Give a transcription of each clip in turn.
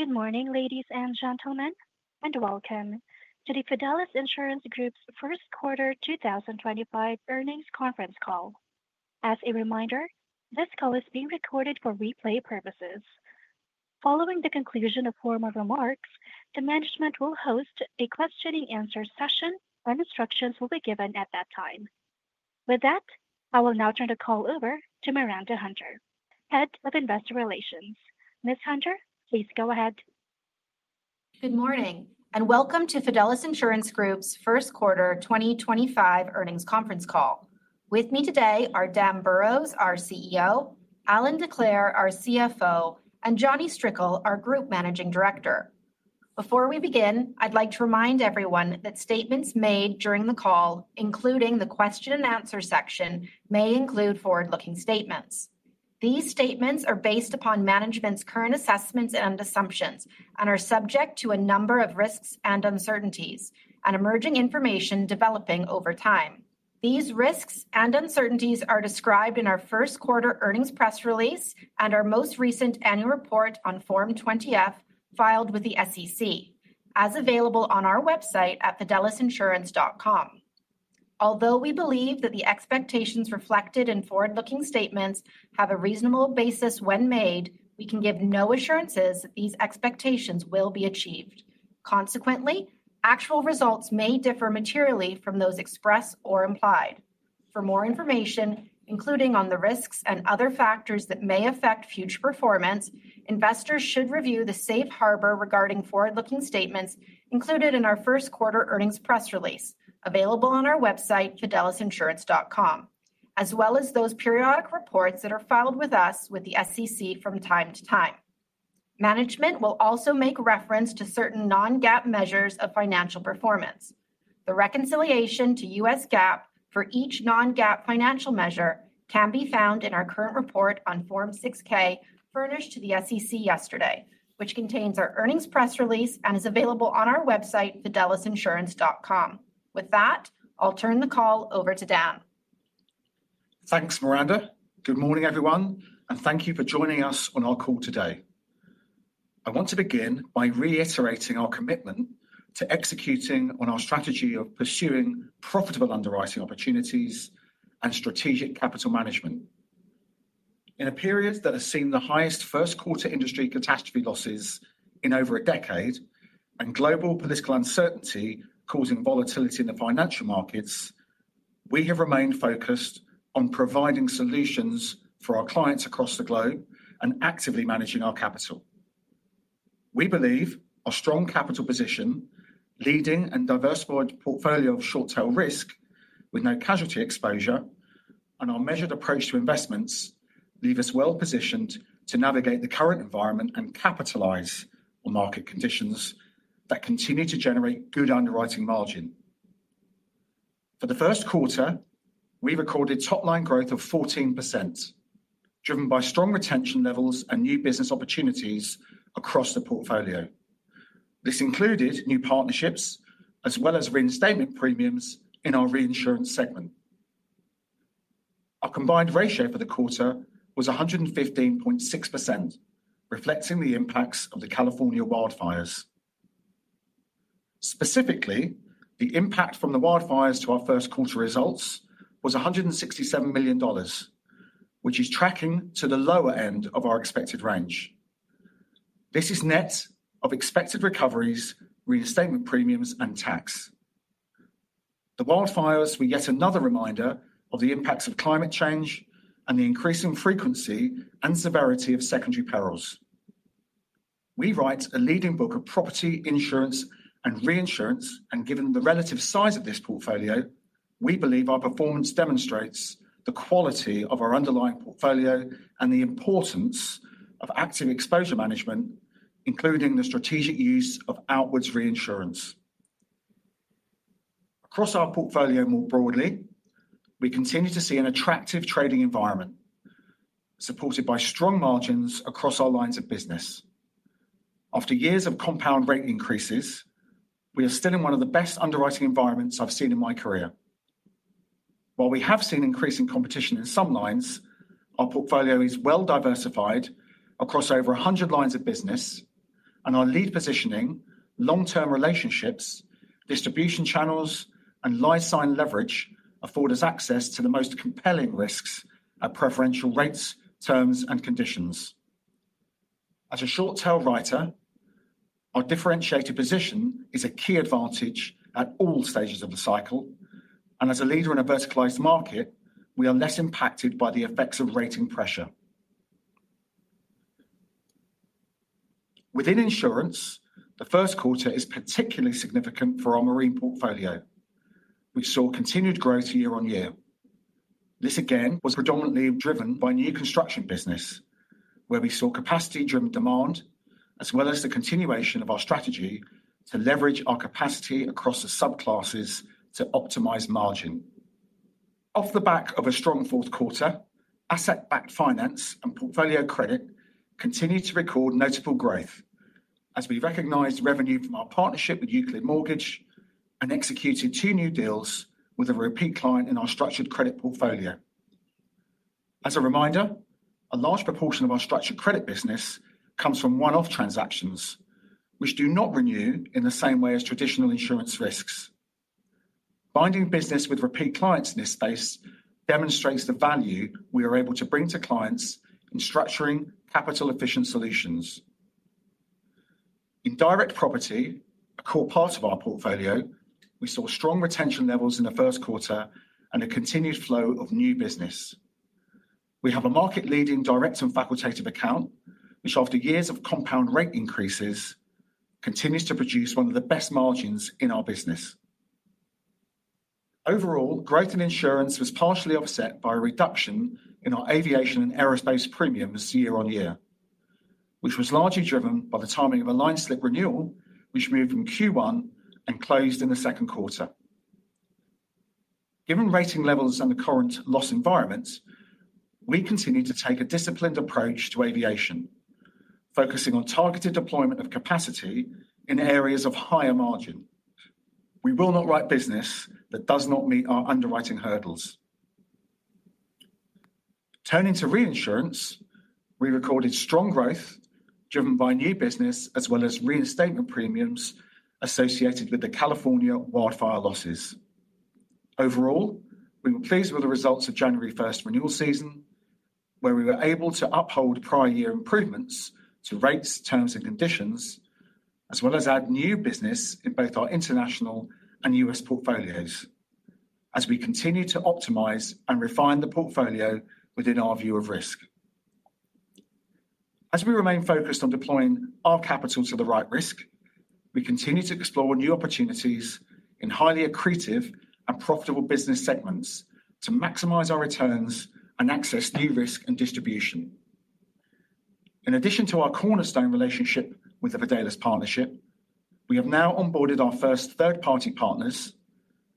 Good morning, ladies and gentlemen, and welcome to the Fidelis Insurance Group's First Quarter 2025 earnings conference call. As a reminder, this call is being recorded for replay purposes. Following the conclusion of formal remarks, the management will host a question-and-answer session, and instructions will be given at that time. With that, I will now turn the call over to Miranda Hunter, Head of Investor Relations. Ms. Hunter, please go ahead. Good morning, and welcome to Fidelis Insurance Group's First Quarter 2025 earnings conference call. With me today are Dan Burrows, our CEO, Allan Decleir, our CFO, and Jonny Strickle, our Group Managing Director. Before we begin, I'd like to remind everyone that statements made during the call, including the question-and-answer section, may include forward-looking statements. These statements are based upon management's current assessments and assumptions and are subject to a number of risks and uncertainties and emerging information developing over time. These risks and uncertainties are described in our First Quarter earnings press release and our most recent annual report on Form 20-F filed with the SEC, as available on our website at fidelisinsurance.com. Although we believe that the expectations reflected in forward-looking statements have a reasonable basis when made, we can give no assurances that these expectations will be achieved. Consequently, actual results may differ materially from those expressed or implied. For more information, including on the risks and other factors that may affect future performance, investors should review the safe harbor regarding forward-looking statements included in our First Quarter earnings press release, available on our website, fidelisinsurance.com, as well as those periodic reports that are filed with us with the SEC from time to time. Management will also make reference to certain non-GAAP measures of financial performance. The reconciliation to U.S. GAAP for each non-GAAP financial measure can be found in our current report on Form 6-K furnished to the SEC yesterday, which contains our earnings press release and is available on our website, fidelisinsurance.com. With that, I'll turn the call over to Dan. Thanks, Miranda. Good morning, everyone, and thank you for joining us on our call today. I want to begin by reiterating our commitment to executing on our strategy of pursuing profitable underwriting opportunities and strategic capital management. In a period that has seen the highest first-quarter industry catastrophe losses in over a decade and global political uncertainty causing volatility in the financial markets, we have remained focused on providing solutions for our clients across the globe and actively managing our capital. We believe our strong capital position, leading and diversified portfolio of short-tail risk with no casualty exposure, and our measured approach to investments leave us well positioned to navigate the current environment and capitalize on market conditions that continue to generate good underwriting margin. For the first quarter, we recorded top-line growth of 14%, driven by strong retention levels and new business opportunities across the portfolio. This included new partnerships as well as reinstatement premiums in our reinsurance segment. Our combined ratio for the quarter was 115.6%, reflecting the impacts of the California wildfires. Specifically, the impact from the wildfires to our first-quarter results was $167 million, which is tracking to the lower end of our expected range. This is net of expected recoveries, reinstatement premiums, and tax. The wildfires were yet another reminder of the impacts of climate change and the increasing frequency and severity of secondary perils. We write a leading book of property insurance and reinsurance, and given the relative size of this portfolio, we believe our performance demonstrates the quality of our underlying portfolio and the importance of active exposure management, including the strategic use of outwards reinsurance. Across our portfolio more broadly, we continue to see an attractive trading environment supported by strong margins across our lines of business. After years of compound rate increases, we are still in one of the best underwriting environments I've seen in my career. While we have seen increasing competition in some lines, our portfolio is well diversified across over 100 lines of business, and our lead positioning, long-term relationships, distribution channels, and license leverage afford us access to the most compelling risks at preferential rates, terms, and conditions. As a short-tail writer, our differentiated position is a key advantage at all stages of the cycle, and as a leader in a verticalized market, we are less impacted by the effects of rating pressure. Within insurance, the first quarter is particularly significant for our marine portfolio, which saw continued growth year-on-year. This again was predominantly driven by new construction business, where we saw capacity-driven demand as well as the continuation of our strategy to leverage our capacity across the subclasses to optimize margin. Off the back of a strong fourth quarter, asset-backed finance and portfolio credit continue to record notable growth, as we recognized revenue from our partnership with Euclid Mortgage and executed two new deals with a repeat client in our structured credit portfolio. As a reminder, a large proportion of our structured credit business comes from one-off transactions, which do not renew in the same way as traditional insurance risks. Binding business with repeat clients in this space demonstrates the value we are able to bring to clients in structuring capital-efficient solutions. In direct property, a core part of our portfolio, we saw strong retention levels in the first quarter and a continued flow of new business. We have a market-leading direct and facultative account, which, after years of compound rate increases, continues to produce one of the best margins in our business. Overall, growth in insurance was partially offset by a reduction in our aviation and aerospace premiums year-on-year, which was largely driven by the timing of a line-slip renewal, which moved from Q1 and closed in the second quarter. Given rating levels and the current loss environment, we continue to take a disciplined approach to aviation, focusing on targeted deployment of capacity in areas of higher margin. We will not write business that does not meet our underwriting hurdles. Turning to reinsurance, we recorded strong growth driven by new business as well as reinstatement premiums associated with the California wildfire losses. Overall, we were pleased with the results of January 1st renewal season, where we were able to uphold prior-year improvements to rates, terms, and conditions, as well as add new business in both our international and U.S. portfolios, as we continue to optimize and refine the portfolio within our view of risk. As we remain focused on deploying our capital to the right risk, we continue to explore new opportunities in highly accretive and profitable business segments to maximize our returns and access new risk and distribution. In addition to our cornerstone relationship with the Fidelis Partnership, we have now onboarded our first third-party partners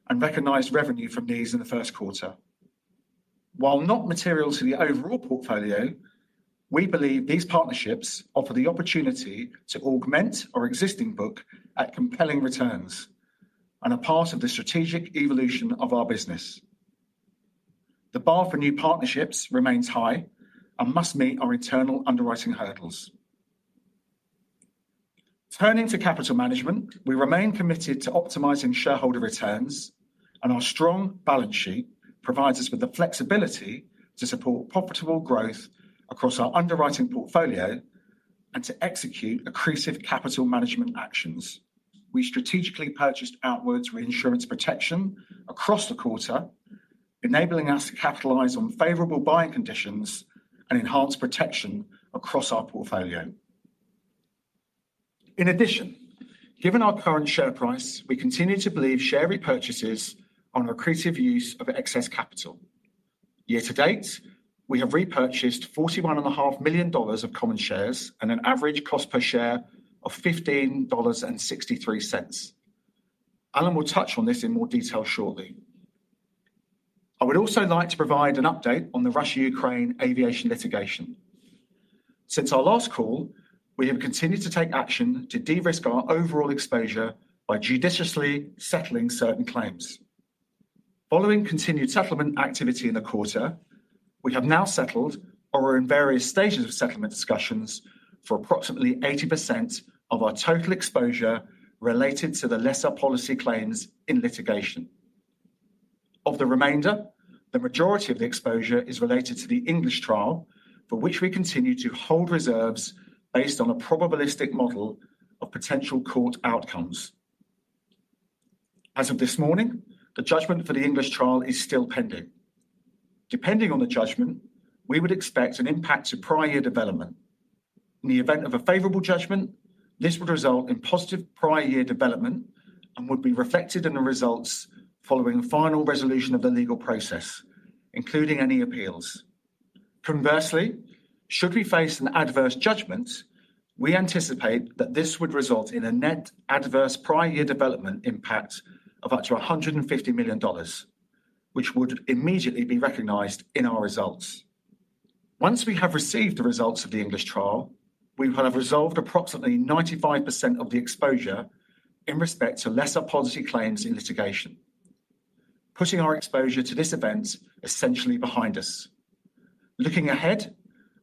and recognized revenue from these in the first quarter. While not material to the overall portfolio, we believe these partnerships offer the opportunity to augment our existing book at compelling returns and are part of the strategic evolution of our business. The bar for new partnerships remains high and must meet our internal underwriting hurdles. Turning to capital management, we remain committed to optimizing shareholder returns, and our strong balance sheet provides us with the flexibility to support profitable growth across our underwriting portfolio and to execute accretive capital management actions. We strategically purchased outwards reinsurance protection across the quarter, enabling us to capitalize on favorable buying conditions and enhance protection across our portfolio. In addition, given our current share price, we continue to believe share repurchases are an accretive use of excess capital. Year-to-date, we have repurchased $41.5 million of common shares at an average cost per share of $15.63. Allan will touch on this in more detail shortly. I would also like to provide an update on the Russia-Ukraine aviation litigation. Since our last call, we have continued to take action to de-risk our overall exposure by judiciously settling certain claims. Following continued settlement activity in the quarter, we have now settled or are in various stages of settlement discussions for approximately 80% of our total exposure related to the lesser policy claims in litigation. Of the remainder, the majority of the exposure is related to the English trial, for which we continue to hold reserves based on a probabilistic model of potential court outcomes. As of this morning, the judgment for the English trial is still pending. Depending on the judgment, we would expect an impact to prior-year development. In the event of a favorable judgment, this would result in positive prior-year development and would be reflected in the results following final resolution of the legal process, including any appeals. Conversely, should we face an adverse judgment, we anticipate that this would result in a net adverse prior-year development impact of up to $150 million, which would immediately be recognized in our results. Once we have received the results of the English trial, we will have resolved approximately 95% of the exposure in respect to lesser policy claims in litigation, putting our exposure to this event essentially behind us. Looking ahead,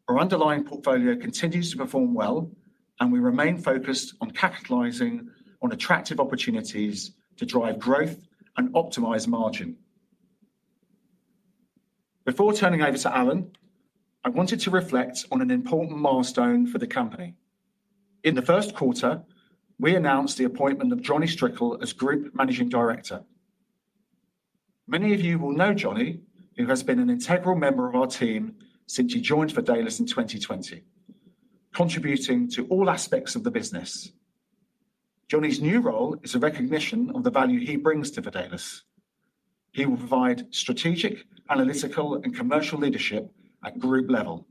our underlying portfolio continues to perform well, and we remain focused on capitalizing on attractive opportunities to drive growth and optimize margin. Before turning over to Allan, I wanted to reflect on an important milestone for the company. In the first quarter, we announced the appointment of Jonny Strickle as Group Managing Director. Many of you will know Jonny, who has been an integral member of our team since he joined Fidelis in 2020, contributing to all aspects of the business. Jonny's new role is a recognition of the value he brings to Fidelis. He will provide strategic, analytical, and commercial leadership at group level,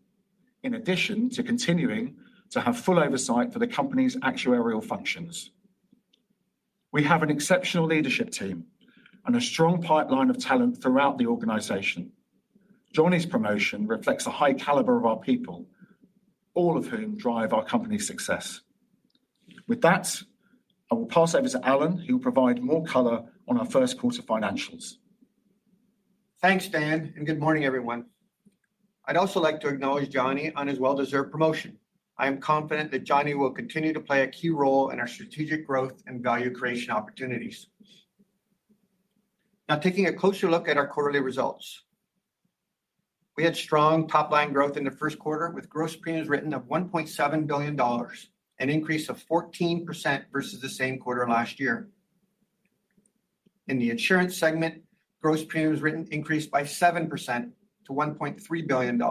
in addition to continuing to have full oversight for the company's actuarial functions. We have an exceptional leadership team and a strong pipeline of talent throughout the organization. Jonny's promotion reflects the high caliber of our people, all of whom drive our company's success. With that, I will pass over to Allan, who will provide more color on our first quarter financials. Thanks, Dan, and good morning, everyone. I'd also like to acknowledge Jonny and his well-deserved promotion. I am confident that Jonny will continue to play a key role in our strategic growth and value creation opportunities. Now, taking a closer look at our quarterly results, we had strong top-line growth in the first quarter, with gross premiums written of $1.7 billion, an increase of 14% versus the same quarter last year. In the insurance segment, gross premiums written increased by 7% to $1.3 billion.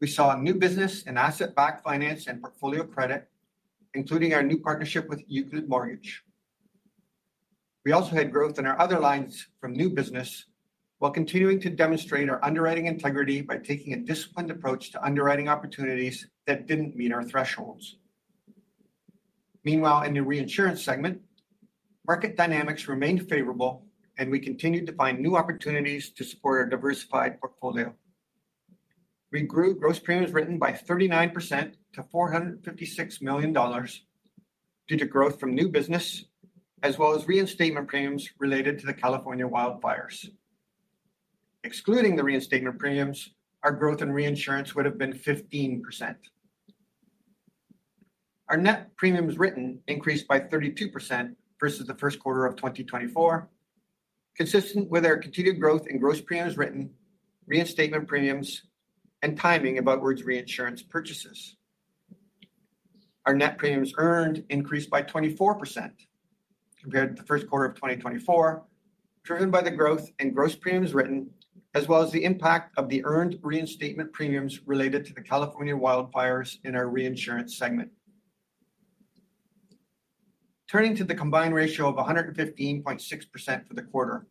We saw new business in asset-backed finance and portfolio credit, including our new partnership with Euclid Mortgage. We also had growth in our other lines from new business while continuing to demonstrate our underwriting integrity by taking a disciplined approach to underwriting opportunities that didn't meet our thresholds. Meanwhile, in the reinsurance segment, market dynamics remained favorable, and we continued to find new opportunities to support our diversified portfolio. We grew gross premiums written by 39% to $456 million due to growth from new business as well as reinstatement premiums related to the California wildfires. Excluding the reinstatement premiums, our growth in reinsurance would have been 15%. Our net premiums written increased by 32% versus the first quarter of 2024, consistent with our continued growth in gross premiums written, reinstatement premiums, and timing of outwards reinsurance purchases. Our net premiums earned increased by 24% compared to the first quarter of 2024, driven by the growth in gross premiums written as well as the impact of the earned reinstatement premiums related to the California wildfires in our reinsurance segment. Turning to the combined ratio of 115.6% for the quarter,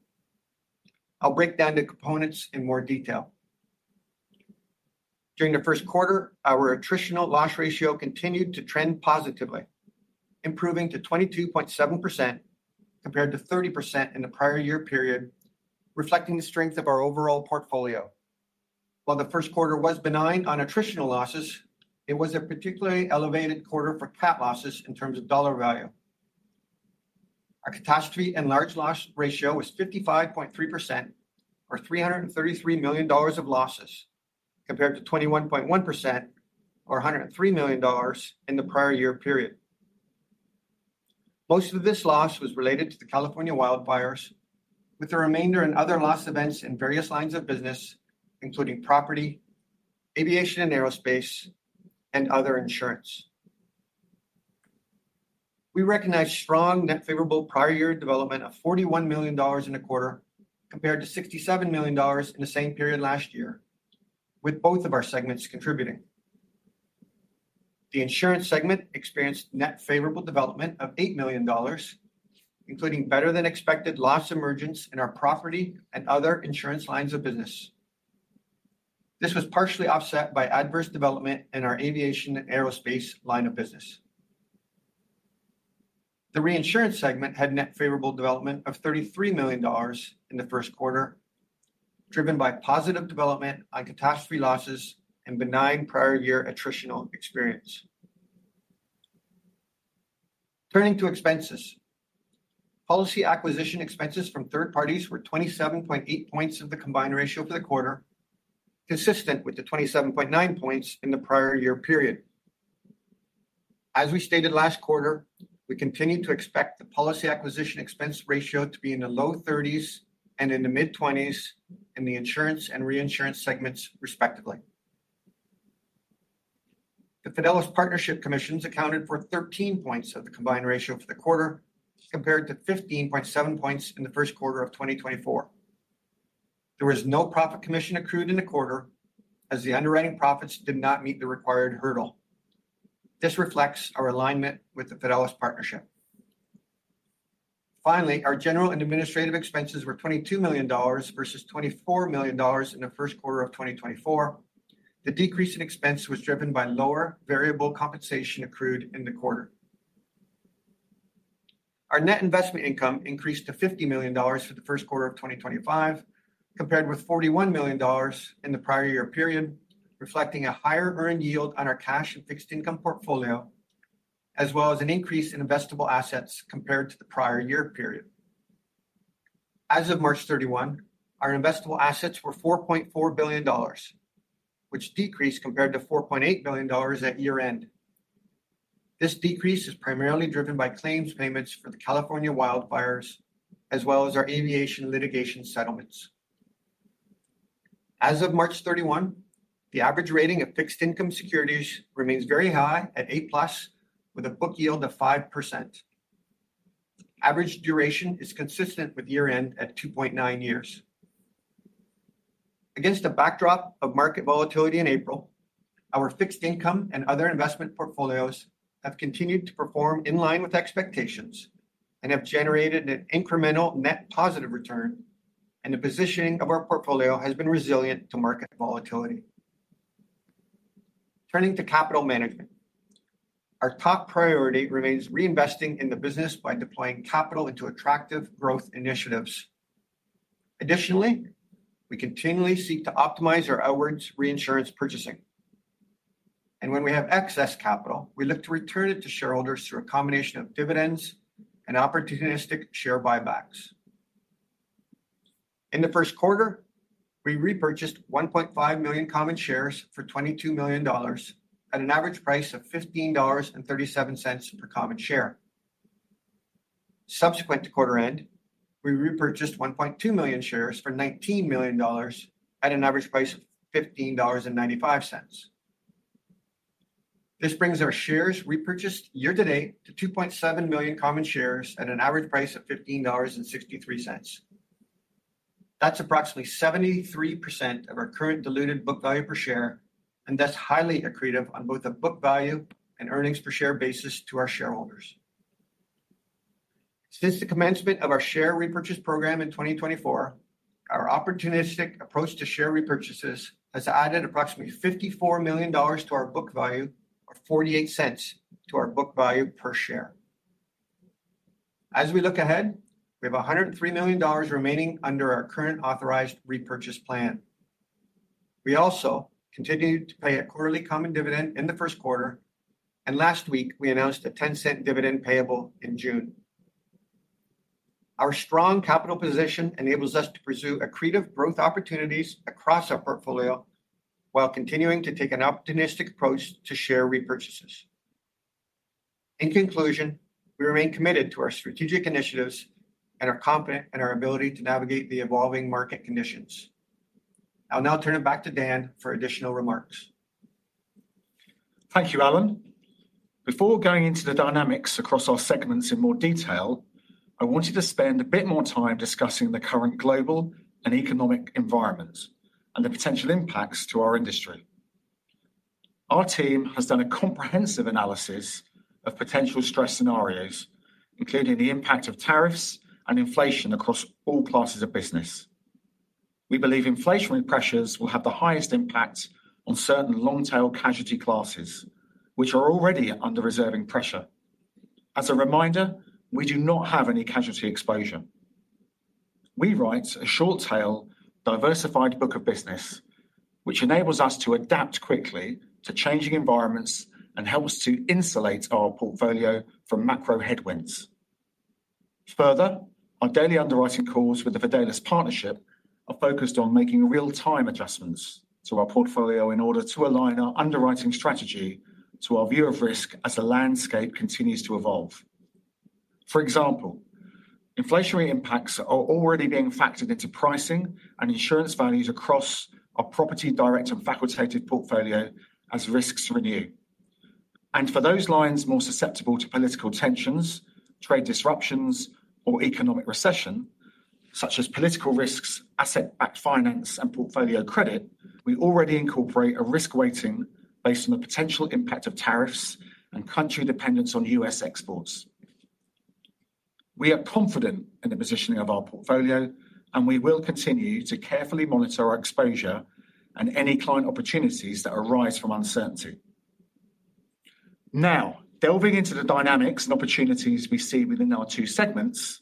I'll break down the components in more detail. During the first quarter, our attritional loss ratio continued to trend positively, improving to 22.7% compared to 30% in the prior-year period, reflecting the strength of our overall portfolio. While the first quarter was benign on attritional losses, it was a particularly elevated quarter for cat losses in terms of dollar value. Our catastrophe and large loss ratio was 55.3%, or $333 million of losses, compared to 21.1%, or $103 million in the prior-year period. Most of this loss was related to the California wildfires, with the remainder in other loss events in various lines of business, including property, aviation and aerospace, and other insurance. We recognized strong net favorable prior-year development of $41 million in the quarter compared to $67 million in the same period last year, with both of our segments contributing. The insurance segment experienced net favorable development of $8 million, including better-than-expected loss emergence in our property and other insurance lines of business. This was partially offset by adverse development in our aviation and aerospace line of business. The reinsurance segment had net favorable development of $33 million in the first quarter, driven by positive development on catastrophe losses and benign prior-year attritional experience. Turning to expenses, policy acquisition expenses from third parties were 27.8 percentage points of the combined ratio for the quarter, consistent with the 27.9 percentage points in the prior-year period. As we stated last quarter, we continue to expect the policy acquisition expense ratio to be in the low 30s and in the mid-20s in the insurance and reinsurance segments, respectively. The Fidelis Partnership Commissions accounted for 13 percentage points of the combined ratio for the quarter, compared to 15.7 percentage points in the first quarter of 2024. There was no profit commission accrued in the quarter, as the underwriting profits did not meet the required hurdle. This reflects our alignment with the Fidelis Partnership. Finally, our general and administrative expenses were $22 million versus $24 million in the first quarter of 2024. The decrease in expense was driven by lower variable compensation accrued in the quarter. Our net investment income increased to $50 million for the first quarter of 2025, compared with $41 million in the prior-year period, reflecting a higher earned yield on our cash and fixed income portfolio, as well as an increase in investable assets compared to the prior-year period. As of March 31st, our investable assets were $4.4 billion, which decreased compared to $4.8 billion at year-end. This decrease is primarily driven by claims payments for the California wildfires as well as our aviation litigation settlements. As of March 31st, the average rating of fixed income securities remains very high at A+, with a book yield of 5%. Average duration is consistent with year-end at 2.9 years. Against a backdrop of market volatility in April, our fixed income and other investment portfolios have continued to perform in line with expectations and have generated an incremental net positive return, and the positioning of our portfolio has been resilient to market volatility. Turning to capital management, our top priority remains reinvesting in the business by deploying capital into attractive growth initiatives. Additionally, we continually seek to optimize our outwards reinsurance purchasing. When we have excess capital, we look to return it to shareholders through a combination of dividends and opportunistic share buybacks. In the first quarter, we repurchased 1.5 million common shares for $22 million at an average price of $15.37 per common share. Subsequent to quarter-end, we repurchased 1.2 million shares for $19 million at an average price of $15.95. This brings our shares repurchased year-to-date to 2.7 million common shares at an average price of $15.63. That's approximately 73% of our current diluted book value per share, and thus highly accretive on both a book value and earnings per share basis to our shareholders. Since the commencement of our share repurchase program in 2024, our opportunistic approach to share repurchases has added approximately $54 million to our book value, or $0.48 to our book value per share. As we look ahead, we have $103 million remaining under our current authorized repurchase plan. We also continue to pay a quarterly common dividend in the first quarter, and last week, we announced a 10-cent dividend payable in June. Our strong capital position enables us to pursue accretive growth opportunities across our portfolio while continuing to take an opportunistic approach to share repurchases. In conclusion, we remain committed to our strategic initiatives and are confident in our ability to navigate the evolving market conditions. I'll now turn it back to Dan for additional remarks. Thank you, Allan. Before going into the dynamics across our segments in more detail, I wanted to spend a bit more time discussing the current global and economic environments and the potential impacts to our industry. Our team has done a comprehensive analysis of potential stress scenarios, including the impact of tariffs and inflation across all classes of business. We believe inflationary pressures will have the highest impact on certain long-tail casualty classes, which are already under reserving pressure. As a reminder, we do not have any casualty exposure. We write a short-tail diversified book of business, which enables us to adapt quickly to changing environments and helps to insulate our portfolio from macro headwinds. Further, our daily underwriting calls with the Fidelis Partnership are focused on making real-time adjustments to our portfolio in order to align our underwriting strategy to our view of risk as the landscape continues to evolve. For example, inflationary impacts are already being factored into pricing and insurance values across our property direct and facultative portfolio as risks renew. For those lines more susceptible to political tensions, trade disruptions, or economic recession, such as political risks, asset-backed finance, and portfolio credit, we already incorporate a risk weighting based on the potential impact of tariffs and country dependence on U.S. exports. We are confident in the positioning of our portfolio, and we will continue to carefully monitor our exposure and any client opportunities that arise from uncertainty. Now, delving into the dynamics and opportunities we see within our two segments,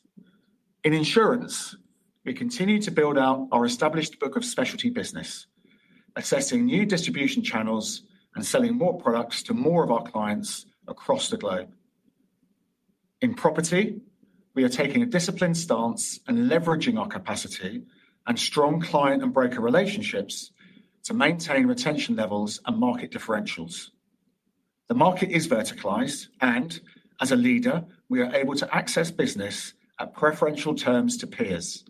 in insurance, we continue to build out our established book of specialty business, assessing new distribution channels and selling more products to more of our clients across the globe. In property, we are taking a disciplined stance and leveraging our capacity and strong client and broker relationships to maintain retention levels and market differentials. The market is verticalized, and as a leader, we are able to access business at preferential terms to peers.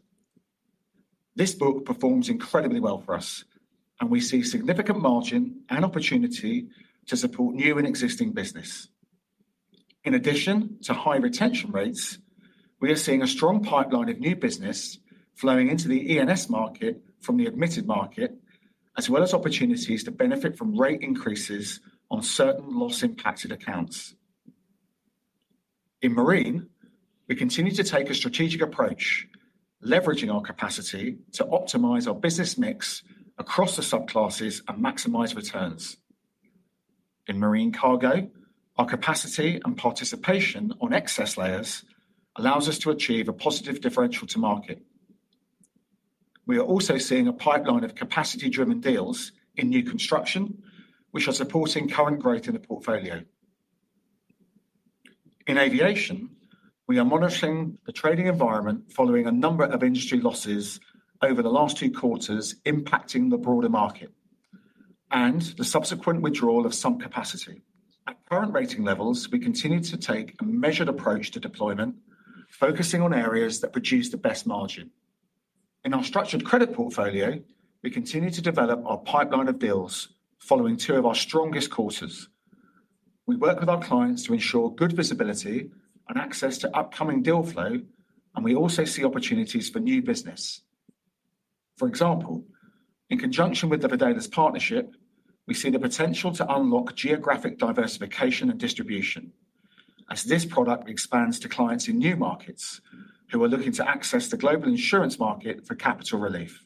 This book performs incredibly well for us, and we see significant margin and opportunity to support new and existing business. In addition to high retention rates, we are seeing a strong pipeline of new business flowing into the E&S market from the admitted market, as well as opportunities to benefit from rate increases on certain loss-impacted accounts. In marine, we continue to take a strategic approach, leveraging our capacity to optimize our business mix across the subclasses and maximize returns. In marine cargo, our capacity and participation on excess layers allows us to achieve a positive differential to market. We are also seeing a pipeline of capacity-driven deals in new construction, which are supporting current growth in the portfolio. In aviation, we are monitoring the trading environment following a number of industry losses over the last two quarters impacting the broader market and the subsequent withdrawal of some capacity. At current rating levels, we continue to take a measured approach to deployment, focusing on areas that produce the best margin. In our structured credit portfolio, we continue to develop our pipeline of deals following two of our strongest quarters. We work with our clients to ensure good visibility and access to upcoming deal flow, and we also see opportunities for new business. For example, in conjunction with the Fidelis Partnership, we see the potential to unlock geographic diversification and distribution as this product expands to clients in new markets who are looking to access the global insurance market for capital relief.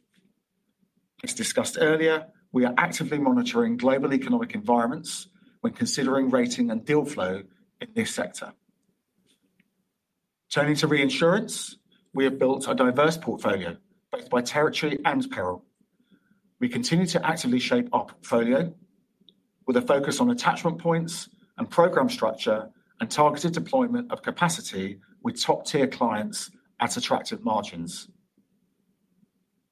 As discussed earlier, we are actively monitoring global economic environments when considering rating and deal flow in this sector. Turning to reinsurance, we have built a diverse portfolio, both by territory and peril. We continue to actively shape our portfolio with a focus on attachment points and program structure and targeted deployment of capacity with top-tier clients at attractive margins.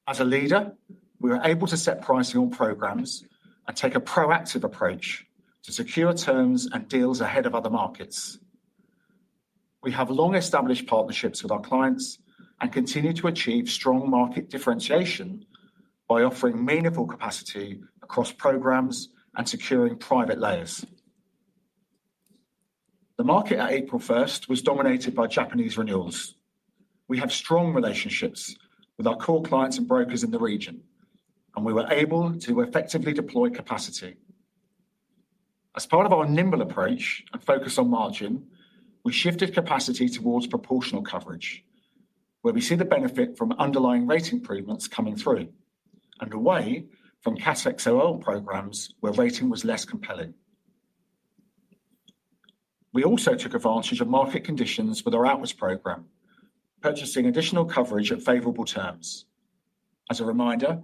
As a leader, we are able to set pricing on programs and take a proactive approach to secure terms and deals ahead of other markets. We have long-established partnerships with our clients and continue to achieve strong market differentiation by offering meaningful capacity across programs and securing private layers. The market at April 1st was dominated by Japanese renewals. We have strong relationships with our core clients and brokers in the region, and we were able to effectively deploy capacity. As part of our nimble approach and focus on margin, we shifted capacity towards proportional coverage, where we see the benefit from underlying rate improvements coming through and away from XOL Programs where rating was less compelling. We also took advantage of market conditions with our outwards program, purchasing additional coverage at favorable terms. As a reminder,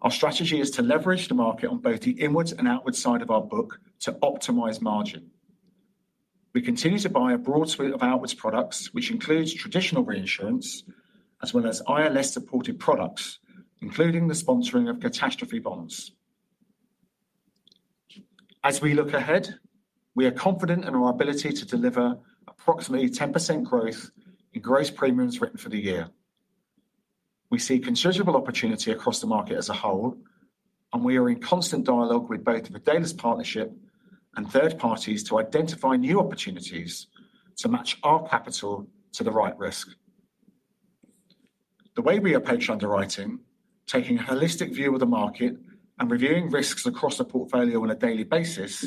our strategy is to leverage the market on both the inwards and outwards side of our book to optimize margin. We continue to buy a broad suite of outwards products, which includes traditional reinsurance as well as ILS-supported products, including the sponsoring of catastrophe bonds. As we look ahead, we are confident in our ability to deliver approximately 10% growth in gross premiums written for the year. We see considerable opportunity across the market as a whole, and we are in constant dialogue with both the Fidelis Partnership and third parties to identify new opportunities to match our capital to the right risk. The way we approach underwriting, taking a holistic view of the market and reviewing risks across the portfolio on a daily basis,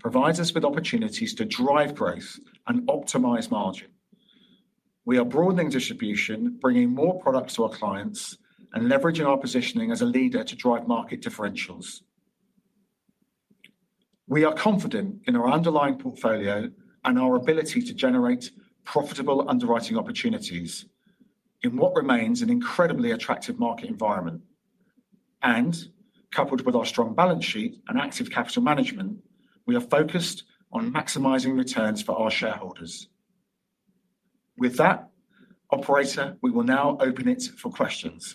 provides us with opportunities to drive growth and optimize margin. We are broadening distribution, bringing more products to our clients and leveraging our positioning as a leader to drive market differentials. We are confident in our underlying portfolio and our ability to generate profitable underwriting opportunities in what remains an incredibly attractive market environment. Coupled with our strong balance sheet and active capital management, we are focused on maximizing returns for our shareholders. With that, Operator, we will now open it for questions.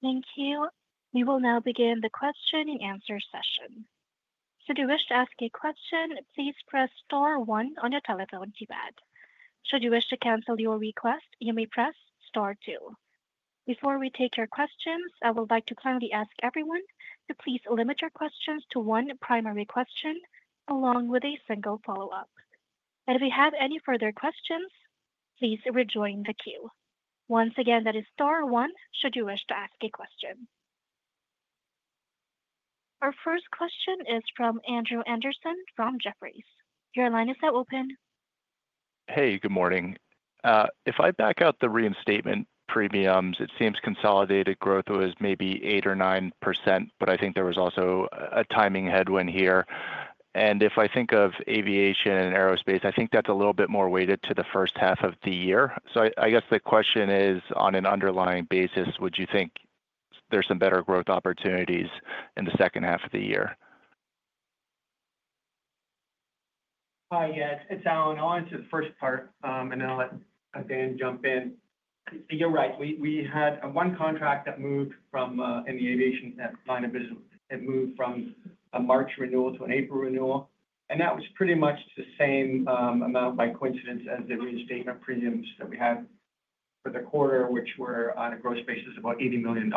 Thank you. We will now begin the question and answer session. Should you wish to ask a question, please press star one on your telephone keypad. Should you wish to cancel your request, you may press star two. Before we take your questions, I would like to kindly ask everyone to please limit your questions to one primary question along with a single follow-up. If you have any further questions, please rejoin the queue. Once again, that is star one should you wish to ask a question. Our first question is from Andrew Andersen from Jefferies. Your line is now open. Hey, good morning. If I back out the reinstatement premiums, it seems consolidated growth was maybe 8 or 9%, but I think there was also a timing headwind here. If I think of aviation and aerospace, I think that's a little bit more weighted to the first half of the year. I guess the question is, on an underlying basis, would you think there's some better growth opportunities in the second half of the year? Hi, yeah, it's Allan. I'll answer the first part, and then I'll let Dan jump in. You're right. We had one contract that moved from in the aviation line of business. It moved from a March renewal to an April renewal. That was pretty much the same amount by coincidence as the reinstatement premiums that we had for the quarter, which were on a gross basis of about $80 million.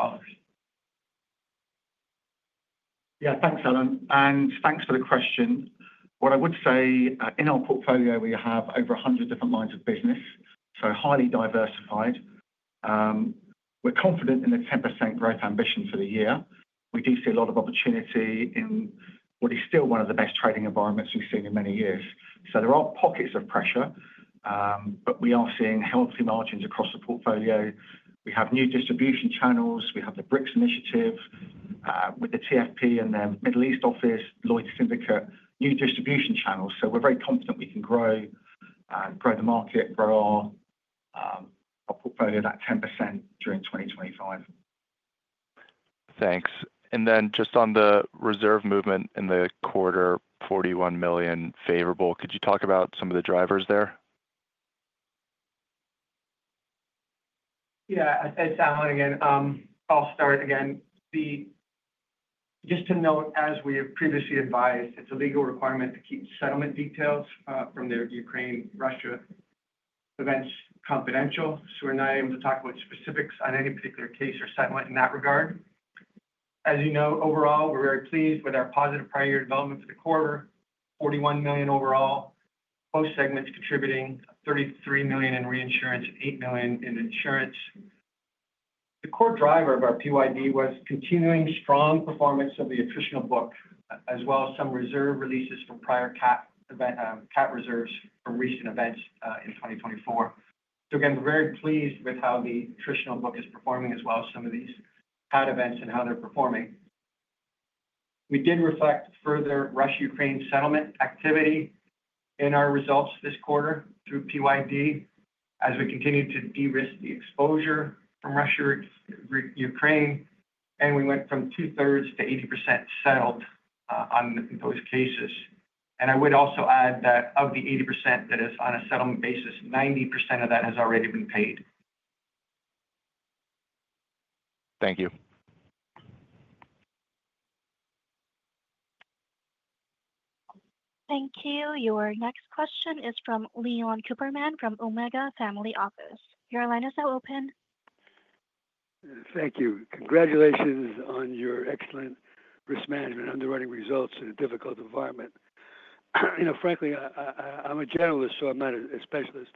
Yeah, thanks, Allan. Thanks for the question. What I would say, in our portfolio, we have over 100 different lines of business, so highly diversified. We're confident in the 10% growth ambition for the year. We do see a lot of opportunity in what is still one of the best trading environments we've seen in many years. There are pockets of pressure, but we are seeing healthy margins across the portfolio. We have new distribution channels. We have the BRICS Initiative with the TFP and their Middle East Office, Lloyd's Syndicate, new distribution channels. We're very confident we can grow the market, grow our portfolio that 10% during 2025. Thanks. Just on the reserve movement in the quarter, $41 million favorable. Could you talk about some of the drivers there? Yeah, it's Allan again. I'll start again. Just to note, as we have previously advised, it's a legal requirement to keep settlement details from the Ukraine-Russia events confidential. So we're not able to talk about specifics on any particular case or settlement in that regard. As you know, overall, we're very pleased with our positive prior year development for the quarter, $41 million overall, both segments contributing $33 million in reinsurance and $8 million in insurance. The core driver of our PYD was continuing strong performance of the attritional book, as well as some reserve releases from prior cat reserves from recent events in 2024. So again, we're very pleased with how the attritional book is performing, as well as some of these cat events and how they're performing. We did reflect further Russia-Ukraine settlement activity in our results this quarter through PYD as we continued to de-risk the exposure from Russia-Ukraine, and we went from 2/3 to 80% settled on those cases. I would also add that of the 80% that is on a settlement basis, 90% of that has already been paid. Thank you. Thank you. Your next question is from Leon Cooperman from Omega Family Office. Your line is now open. Thank you. Congratulations on your excellent risk management underwriting results in a difficult environment. Frankly, I'm a generalist, so I'm not a specialist.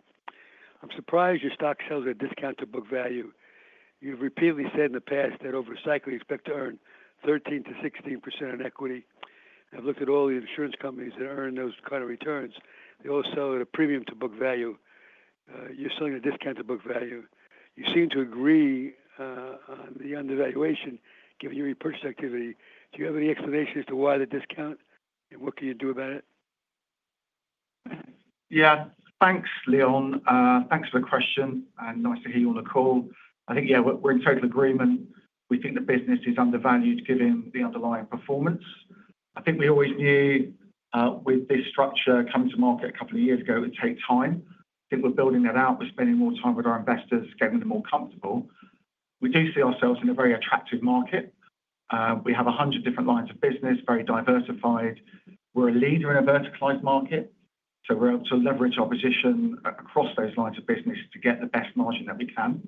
I'm surprised your stock sells at discount to book value. You've repeatedly said in the past that over a cycle you expect to earn 13%-16% on equity. I've looked at all the insurance companies that earn those kinds of returns. They all sell at a premium to book value. You're selling at a discount to book value. You seem to agree on the undervaluation given your repurchase activity. Do you have any explanation as to why the discount and what can you do about it? Yeah, thanks, Leon. Thanks for the question. Nice to hear you on the call. I think, yeah, we're in total agreement. We think the business is undervalued given the underlying performance. I think we always knew with this structure coming to market a couple of years ago, it would take time. I think we're building that out. We're spending more time with our investors, getting them more comfortable. We do see ourselves in a very attractive market. We have 100 different lines of business, very diversified. We're a leader in a verticalized market, so we're able to leverage our position across those lines of business to get the best margin that we can.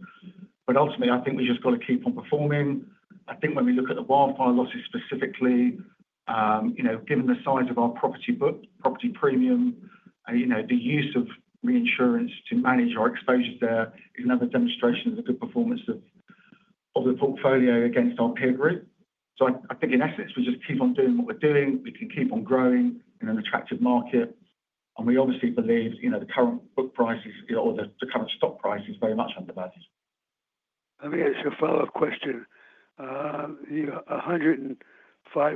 Ultimately, I think we just got to keep on performing. I think when we look at the wildfire losses specifically, given the size of our property book, property premium, the use of reinsurance to manage our exposures there is another demonstration of the good performance of the portfolio against our peer group. I think, in essence, we just keep on doing what we're doing. We can keep on growing in an attractive market. We obviously believe the current book prices or the current stock price is very much undervalued. Let me ask you a follow-up question. $105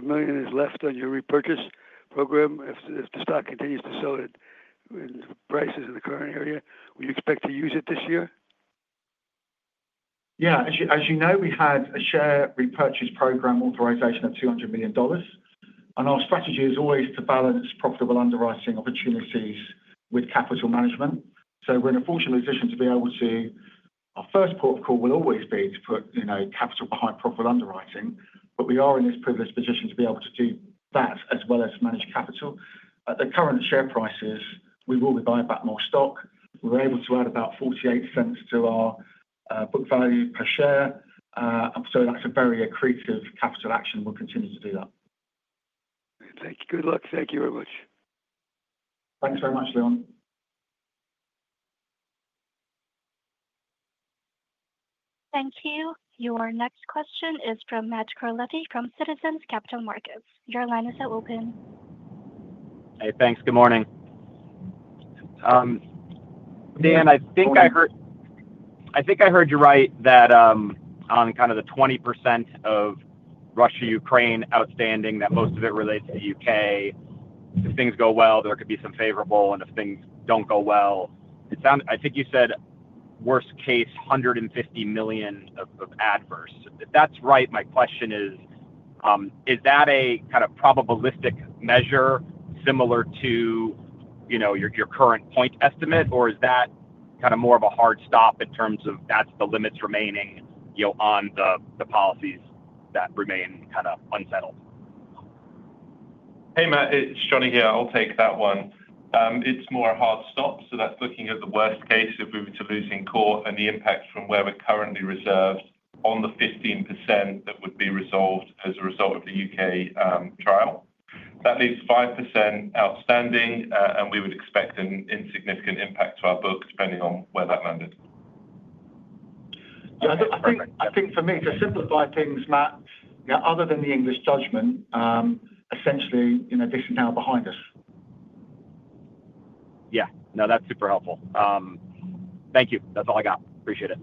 million is left on your repurchase program. If the stock continues to sell at prices in the current area, would you expect to use it this year? Yeah. As you know, we had a share repurchase program authorization of $200 million. Our strategy is always to balance profitable underwriting opportunities with capital management. We are in a fortunate position to be able to. Our first port of call will always be to put capital behind profitable underwriting. We are in this privileged position to be able to do that as well as manage capital. At the current share prices, we will be buying back more stock. We are able to add about $0.48 to our book value per share. That is a very accretive capital action. We will continue to do that. Thank you. Good luck. Thank you very much. Thanks very much, Leon. Thank you. Your next question is from Matt Carletti from Citizens Capital Markets. Your line is now open. Hey, thanks. Good morning. Dan, I think I heard you right that on kind of the 20% of Russia-Ukraine outstanding, that most of it relates to the U.K. If things go well, there could be some favorable. If things do not go well, I think you said worst case, $150 million of adverse. If that's right, my question is, is that a kind of probabilistic measure similar to your current point estimate, or is that kind of more of a hard stop in terms of that's the limits remaining on the policies that remain kind of unsettled? Hey, Matt, it's Jonny here. I'll take that one. It's more a hard stop. So that's looking at the worst case of moving to losing court and the impact from where we're currently reserved on the 15% that would be resolved as a result of the U.K. trial. That leaves 5% outstanding, and we would expect an insignificant impact to our book depending on where that landed. Yeah, I think for me to simplify things, Matt, other than the English judgment, essentially this is now behind us. Yeah. No, that's super helpful. Thank you. That's all I got. Appreciate it.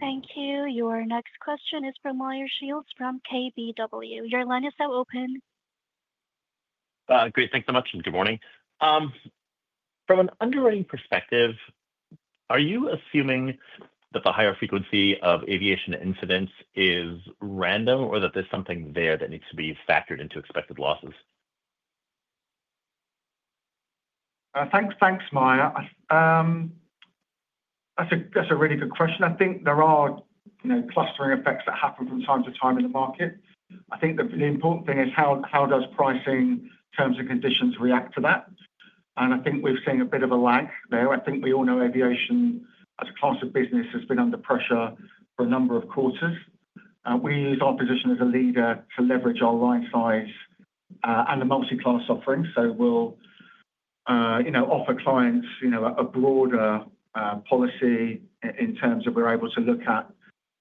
Thank you. Your next question is from Meyer Shields from KBW. Your line is now open. Great. Thanks so much. Good morning. From an underwriting perspective, are you assuming that the higher frequency of aviation incidents is random or that there is something there that needs to be factored into expected losses? Thanks, Meyer. That's a really good question. I think there are clustering effects that happen from time to time in the market. I think the important thing is how does pricing, terms, and conditions react to that. I think we've seen a bit of a lag there. I think we all know aviation as a class of business has been under pressure for a number of quarters. We use our position as a leader to leverage our line size and the multi-class offering. We offer clients a broader policy in terms of we're able to look at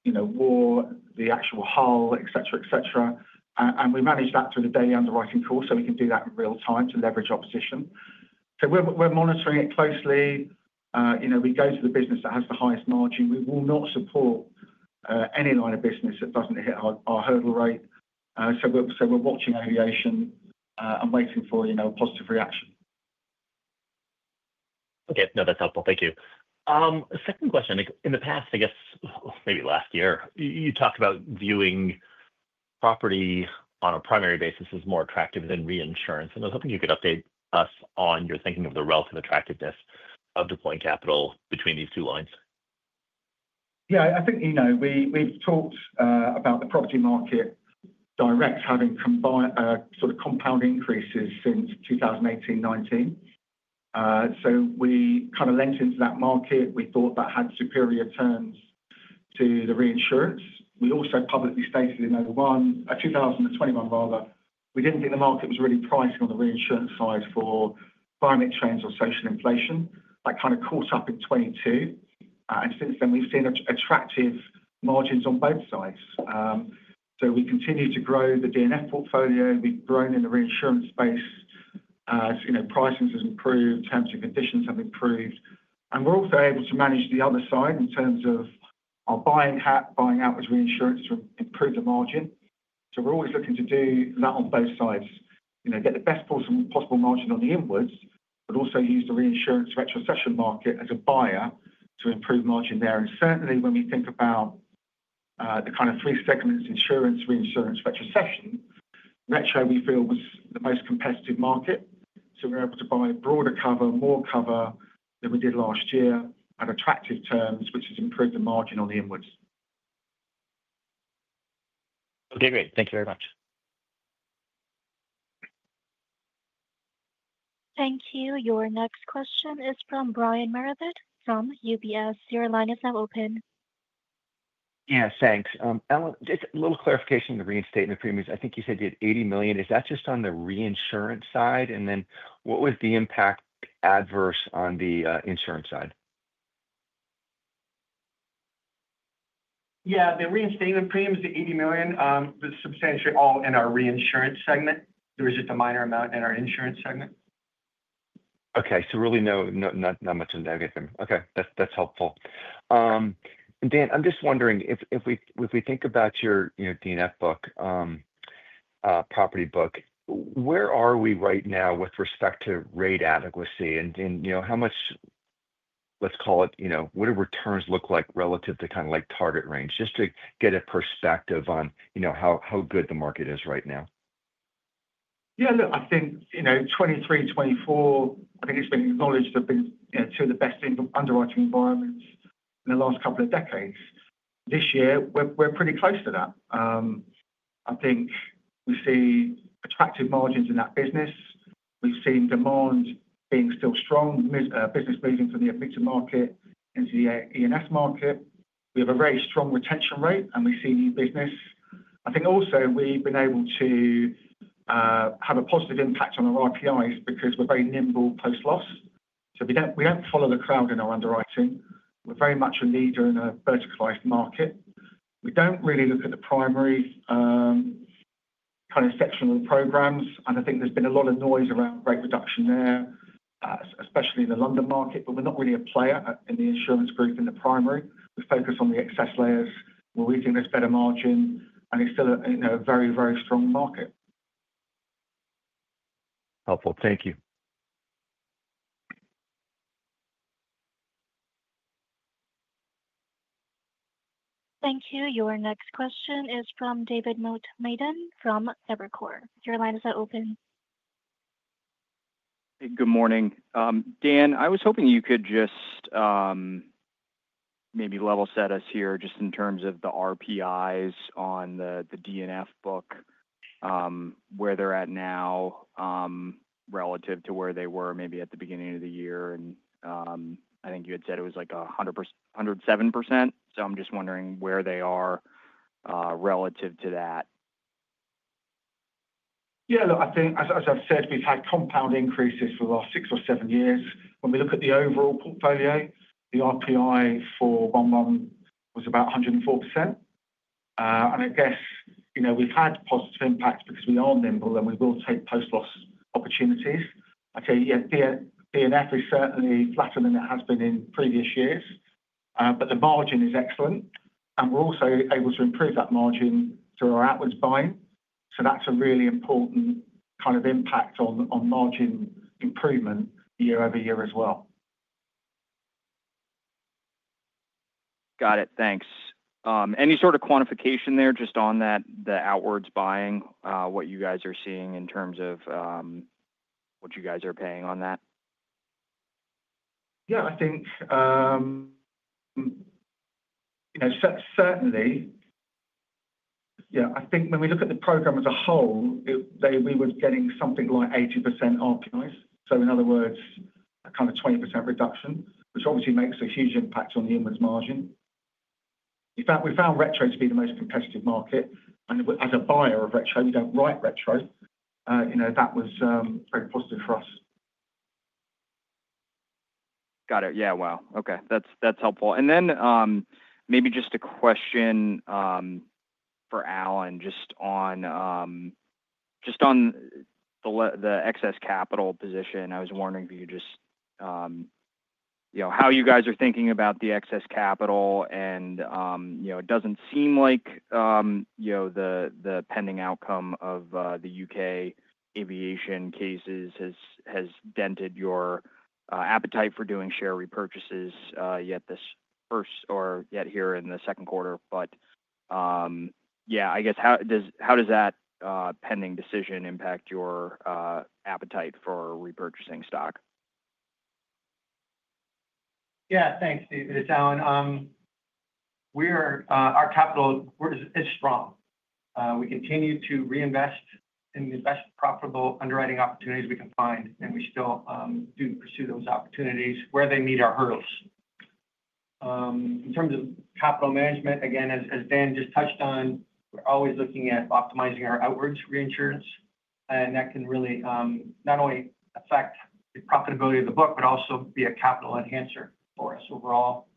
war, the actual hull, etc., etc. We manage that through the daily underwriting call so we can do that in real time to leverage our position. We're monitoring it closely. We go to the business that has the highest margin. We will not support any line of business that does not hit our hurdle rate. So we are watching aviation and waiting for a positive reaction. Okay. No, that's helpful. Thank you. Second question. In the past, I guess, maybe last year, you talked about viewing property on a primary basis as more attractive than reinsurance. I was hoping you could update us on your thinking of the relative attractiveness of deploying capital between these two lines. Yeah, I think we've talked about the property market direct having sort of compound increases since 2018-2019. We kind of lent into that market. We thought that had superior terms to the reinsurance. We also publicly stated in 2021, rather, we didn't think the market was really pricing on the reinsurance side for climate change or social inflation. That kind of caught up in 2022. Since then, we've seen attractive margins on both sides. We continue to grow the D&F portfolio. We've grown in the reinsurance space as pricing has improved, terms and conditions have improved. We're also able to manage the other side in terms of our buying hat, buying out as reinsurance to improve the margin. We're always looking to do that on both sides, get the best possible margin on the inwards, but also use the reinsurance retrocession market as a buyer to improve margin there. Certainly, when we think about the kind of three segments: insurance, reinsurance, retrocession, retro, we feel was the most competitive market. We're able to buy broader cover, more cover than we did last year at attractive terms, which has improved the margin on the inwards. Okay, great. Thank you very much. Thank you. Your next question is from Brian Meredith from UBS. Your line is now open. Yes, thanks. Just a little clarification on the reinstatement premiums. I think you said you had $80 million. Is that just on the reinsurance side? What was the impact adverse on the insurance side? Yeah, the reinstatement premiums, the $80 million, was substantially all in our reinsurance segment. There was just a minor amount in our insurance segment. Okay. So really not much in there. Okay. Okay. That is helpful. And Dan, I am just wondering, if we think about your D&F book, property book, where are we right now with respect to rate adequacy? And how much, let us call it, what do returns look like relative to kind of target range? Just to get a perspective on how good the market is right now. Yeah, look, I think 2023, 2024, I think it's been acknowledged have been two of the best underwriting environments in the last couple of decades. This year, we're pretty close to that. I think we see attractive margins in that business. We've seen demand being still strong, business moving from the mixed market into the E&S market. We have a very strong retention rate, and we see new business. I think also we've been able to have a positive impact on our RPIs because we're very nimble post-loss. So we don't follow the crowd in our underwriting. We're very much a leader in a verticalized market. We don't really look at the primary kind of sectional programs. I think there's been a lot of noise around rate reduction there, especially in the London market. But we're not really a player in the insurance group in the primary. We focus on the excess layers where we think there's better margin, and it's still a very, very strong market. Helpful. Thank you. Thank you. Your next question is from David Motemaden from Evercore. Your line is now open. Good morning. Dan, I was hoping you could just maybe level set us here just in terms of the RPIs on the D&F book, where they're at now relative to where they were maybe at the beginning of the year. I think you had said it was like 107%. I'm just wondering where they are relative to that. Yeah. Look, I think, as I've said, we've had compound increases for the last six or seven years. When we look at the overall portfolio, the RPI for was about 104%. I guess we've had positive impact because we are nimble and we will take post-loss opportunities. I'd say D&F is certainly flatter than it has been in previous years, but the margin is excellent. We're also able to improve that margin through our outwards buying. That's a really important kind of impact on margin improvement year-over-year as well. Got it. Thanks. Any sort of quantification there just on the outwards buying, what you guys are seeing in terms of what you guys are paying on that? Yeah, I think certainly, yeah, I think when we look at the program as a whole, we were getting something like 80% RPIs. In other words, a kind of 20% reduction, which obviously makes a huge impact on the inwards margin. In fact, we found retro to be the most competitive market. As a buyer of retro, we do not write retro. That was very positive for us. Got it. Yeah. Wow. Okay. That's helpful. Maybe just a question for Allan just on the excess capital position. I was wondering if you could just how you guys are thinking about the excess capital. It does not seem like the pending outcome of the U.K. aviation cases has dented your appetite for doing share repurchases yet here in the second quarter. Yeah, I guess how does that pending decision impact your appetite for repurchasing stock? Yeah. Thanks, David. It's Allan. Our capital is strong. We continue to reinvest in the best profitable underwriting opportunities we can find. We still do pursue those opportunities where they meet our hurdles. In terms of capital management, again, as Dan just touched on, we're always looking at optimizing our outwards reinsurance. That can really not only affect the profitability of the book, but also be a capital enhancer for us overall.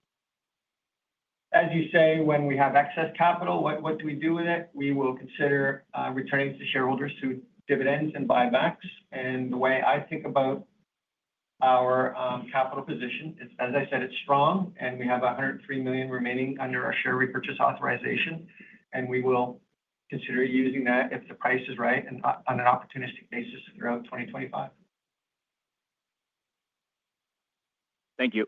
As you say, when we have excess capital, what do we do with it? We will consider returning to shareholders through dividends and buybacks. The way I think about our capital position is, as I said, it's strong. We have $103 million remaining under our share repurchase authorization. We will consider using that if the price is right and on an opportunistic basis throughout 2025. Thank you.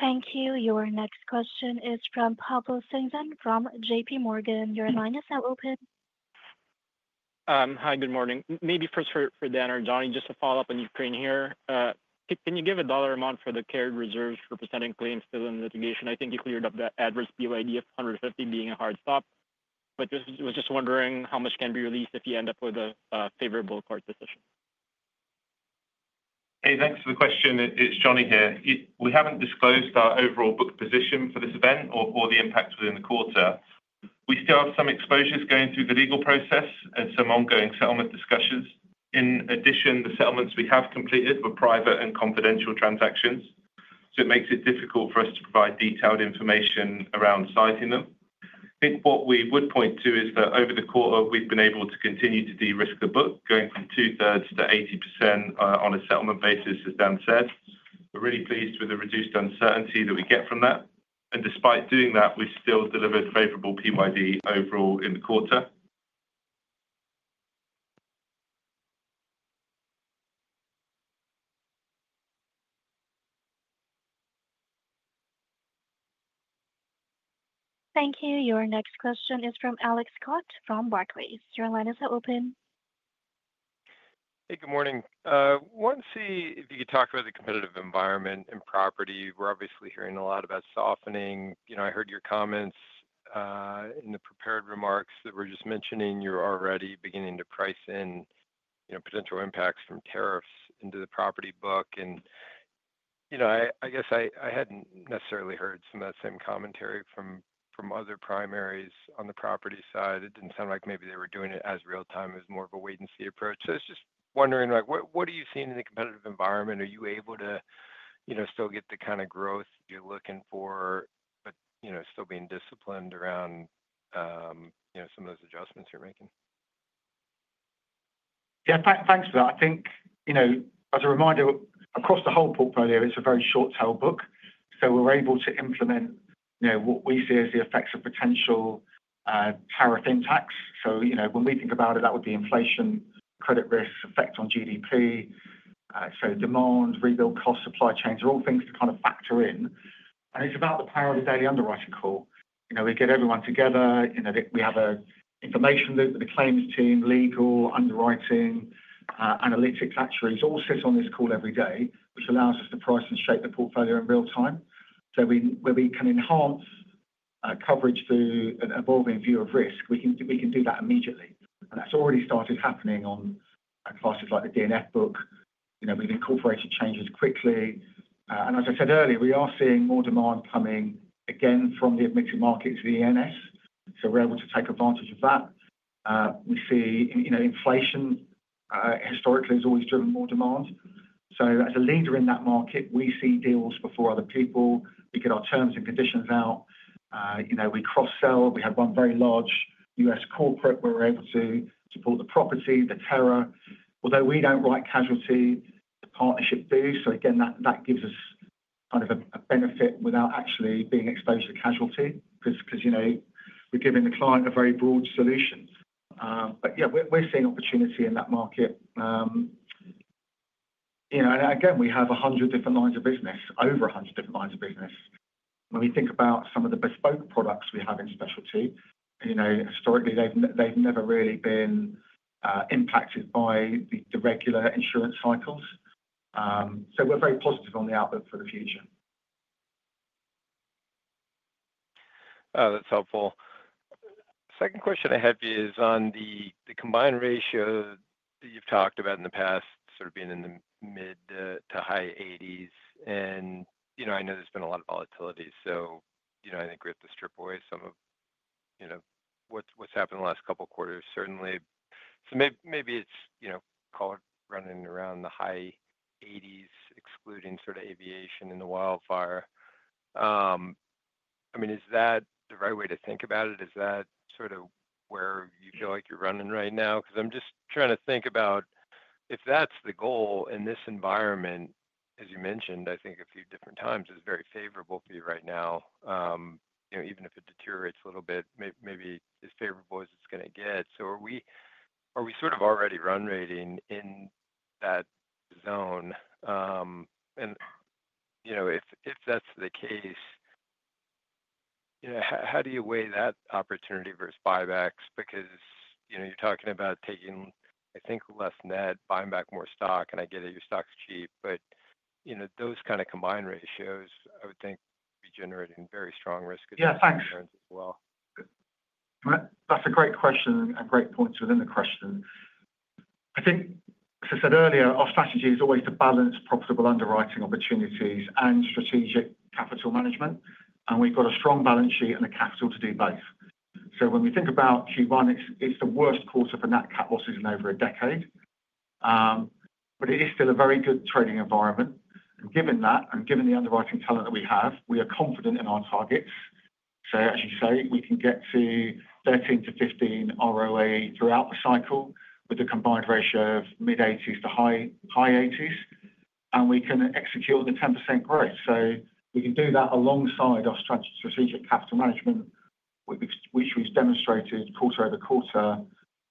Thank you. Your next question is from Pablo Singzon from JPMorgan. Your line is now open. Hi, good morning. Maybe first for Dan or Jonny, just to follow up on Ukraine here. Can you give a dollar amount for the carried reserves representing claims still in litigation? I think you cleared up the adverse PYD of $150 million being a hard stop. I was just wondering how much can be released if you end up with a favorable court decision. Hey, thanks for the question. It's Jonny here. We haven't disclosed our overall book position for this event or the impact within the quarter. We still have some exposures going through the legal process and some ongoing settlement discussions. In addition, the settlements we have completed were private and confidential transactions. It makes it difficult for us to provide detailed information around citing them. I think what we would point to is that over the quarter, we've been able to continue to de-risk the book, going from two-thirds to 80% on a settlement basis, as Dan said. We're really pleased with the reduced uncertainty that we get from that. Despite doing that, we still delivered favorable PYD overall in the quarter. Thank you. Your next question is from Alex Scott from Barclays. Your line is now open. Hey, good morning. I want to see if you could talk about the competitive environment in property. We're obviously hearing a lot about softening. I heard your comments in the prepared remarks that were just mentioning you're already beginning to price in potential impacts from tariffs into the property book. I guess I hadn't necessarily heard some of that same commentary from other primaries on the property side. It didn't sound like maybe they were doing it as real-time as more of a wait-and-see approach. I was just wondering, what are you seeing in the competitive environment? Are you able to still get the kind of growth you're looking for, but still being disciplined around some of those adjustments you're making? Yeah, thanks for that. I think as a reminder, across the whole portfolio, it's a very short-tail book. We're able to implement what we see as the effects of potential tariff impacts. When we think about it, that would be inflation, credit risks, effect on GDP. Demand, rebuild costs, supply chains are all things to kind of factor in. It's about the power of the daily underwriting call. We get everyone together. We have an information loop with the claims team, legal, underwriting, analytics, actuaries all sit on this call every day, which allows us to price and shape the portfolio in real time. Where we can enhance coverage through an evolving view of risk, we can do that immediately. That's already started happening on classes like the D&F book. We've incorporated changes quickly. As I said earlier, we are seeing more demand coming again from the admitted market to the E&S. We are able to take advantage of that. We see inflation historically has always driven more demand. As a leader in that market, we see deals before other people. We get our terms and conditions out. We cross-sell. We have one very large U.S. corporate where we are able to support the property, the terror. Although we do not write casualty, the partnership does. That gives us kind of a benefit without actually being exposed to casualty because we are giving the client a very broad solution. Yeah, we are seeing opportunity in that market. Again, we have 100 different lines of business, over 100 different lines of business. When we think about some of the bespoke products we have in specialty, historically, they've never really been impacted by the regular insurance cycles. So we're very positive on the outlook for the future. Oh, that's helpful. Second question I have is on the combined ratio that you've talked about in the past, sort of being in the mid to high 80s. I know there's been a lot of volatility. I think we have to strip away some of what's happened in the last couple of quarters, certainly. Maybe it's called running around the high 80s, excluding sort of aviation and the wildfire. I mean, is that the right way to think about it? Is that sort of where you feel like you're running right now? I'm just trying to think about if that's the goal in this environment, as you mentioned, I think a few different times is very favorable for you right now. Even if it deteriorates a little bit, maybe as favorable as it's going to get. Are we sort of already run rating in that zone? If that's the case, how do you weigh that opportunity versus buybacks? Because you're talking about taking, I think, less net, buying back more stock. I get that your stock's cheap, but those kind of combined ratios, I would think, would be generating very strong risk as well. Yeah, thanks. That's a great question and great points within the question. I think, as I said earlier, our strategy is always to balance profitable underwriting opportunities and strategic capital management. We've got a strong balance sheet and the capital to do both. When we think about Q1, it's the worst quarter for nat cat losses in over a decade. It is still a very good trading environment. Given that and given the underwriting talent that we have, we are confident in our targets. As you say, we can get to 13%-15% ROE throughout the cycle with a combined ratio of mid 80s to high 80s. We can execute on the 10% growth. We can do that alongside our strategic capital management, which we've demonstrated quarter over quarter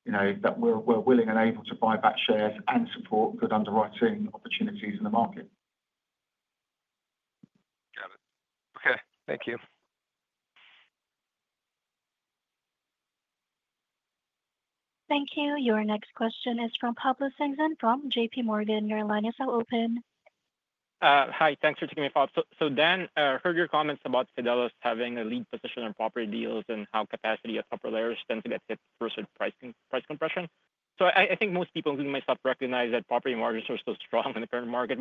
that we're willing and able to buy back shares and support good underwriting opportunities in the market. Got it. Okay. Thank you. Thank you. Your next question is from Pablo Singzon from JPMorgan. Your line is now open. Hi, thanks for taking my call. Dan, heard your comments about Fidelis having a lead position on property deals and how capacity of upper layers tends to get hit through certain price compression. I think most people, including myself, recognize that property margins are still strong in the current market.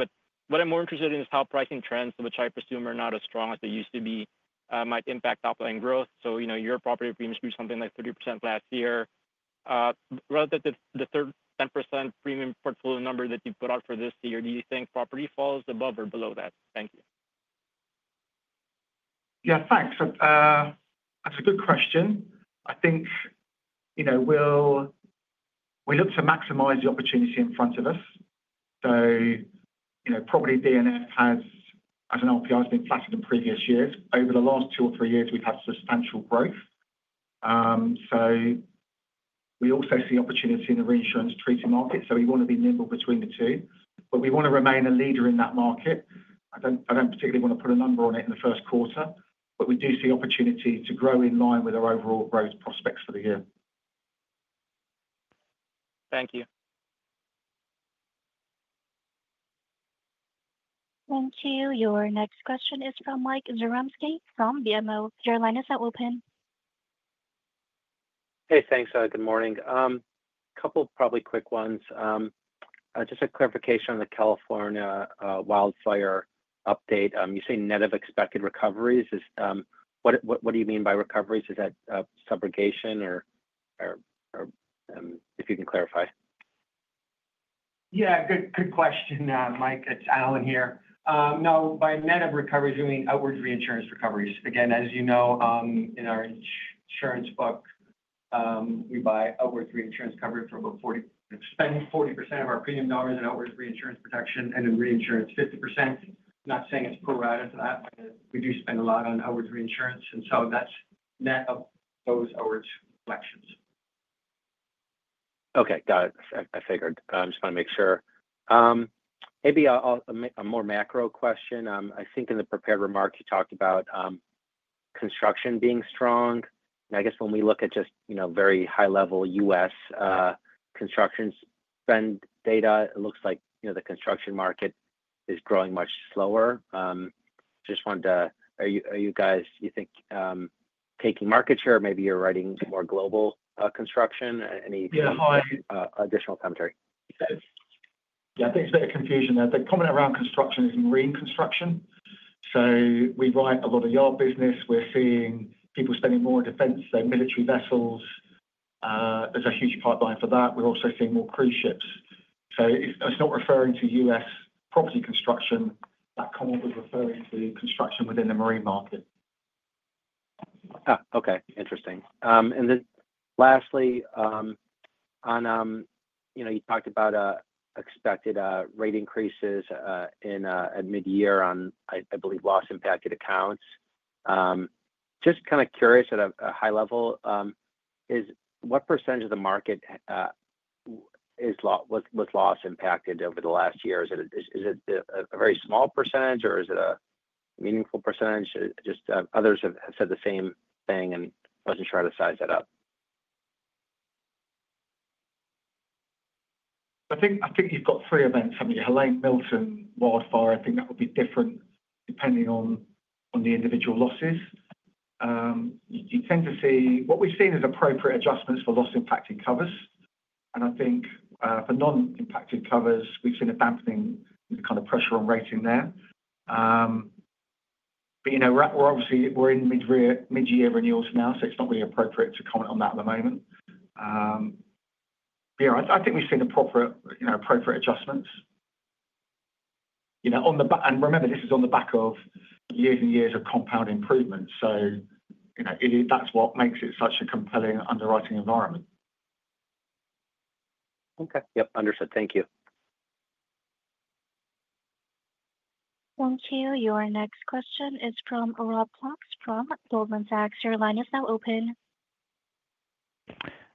What I'm more interested in is how pricing trends, which I presume are not as strong as they used to be, might impact outgoing growth. Your property premiums grew something like 30% last year. Relative to the 10% premium portfolio number that you put out for this year, do you think property falls above or below that? Thank you. Yeah, thanks. That's a good question. I think we look to maximize the opportunity in front of us. So property D&F has, as an LPR, has been flattered in previous years. Over the last two or three years, we've had substantial growth. We also see opportunity in the reinsurance treaty market. We want to be nimble between the two. We want to remain a leader in that market. I don't particularly want to put a number on it in the first quarter, but we do see opportunity to grow in line with our overall growth prospects for the year. Thank you. Thank you. Your next question is from Mike Zaremski from BMO. Your line is now open. Hey, thanks. Good morning. A couple of probably quick ones. Just a clarification on the California wildfire update. You say net of expected recoveries. What do you mean by recoveries? Is that subrogation or if you can clarify? Yeah, good question, Mike. It's Allan here. No, by net of recoveries, we mean outwards reinsurance recoveries. Again, as you know, in our insurance book, we buy outwards reinsurance coverage for about 40%. We spend 40% of our premium dollars in outwards reinsurance protection and in reinsurance, 50%. Not saying it's pro-rata to that, but we do spend a lot on outwards reinsurance. That's net of those outwards collections. Okay. Got it. I figured. I just want to make sure. Maybe a more macro question. I think in the prepared remarks, you talked about construction being strong. I guess when we look at just very high-level U.S. construction spend data, it looks like the construction market is growing much slower. Just wanted to, are you guys, you think, taking market share? Maybe you're writing more global construction? Any additional commentary? Yeah, I think it's a bit of confusion. The comment around construction is marine construction. We write a lot of yacht business. We're seeing people spending more on defense. Military vessels, there's a huge pipeline for that. We're also seeing more cruise ships. It's not referring to U.S. property construction. That comment was referring to construction within the marine market. Okay. Interesting. Lastly, you talked about expected rate increases in mid-year on, I believe, loss-impacted accounts. Just kind of curious at a high level, what percentage of the market was loss-impacted over the last year? Is it a very small percentage, or is it a meaningful percentage? Just others have said the same thing and was not sure how to size that up. I think you've got three events coming here. Helene Milton, wildfire, I think that would be different depending on the individual losses. You tend to see what we've seen is appropriate adjustments for loss-impacted covers. I think for non-impacted covers, we've seen a dampening kind of pressure on rating there. We're obviously in mid-year renewals now, so it's not really appropriate to comment on that at the moment. I think we've seen appropriate adjustments. Remember, this is on the back of years and years of compound improvement. That's what makes it such a compelling underwriting environment. Okay. Yep. Understood. Thank you. Thank you. Your next question is from Rob Cox from Goldman Sachs. Your line is now open.